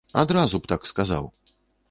Адразу б так сказаў.